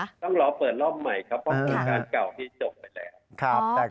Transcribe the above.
ด้วยรอเปิดรอบใหม่ครับที่ก่อนและ